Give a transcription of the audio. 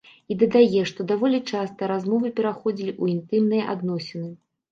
І дадае, што даволі часта размовы пераходзілі ў інтымныя адносіны.